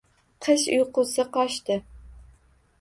Qish uyqusi qochdi